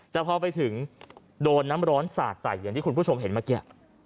แต่พอไปถึงโดนน้ำร้อนสาดใส่อย่างที่คุณผู้ชมเห็นเมื่อกี้